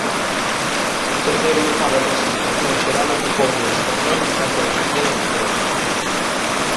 O terceiro lugar da clasificación xeral ocupouno o español Vicente García de Mateos.